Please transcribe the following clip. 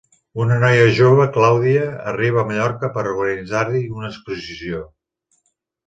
Una noia jove, Clàudia, arriba a Mallorca per organitzar-hi una exposició.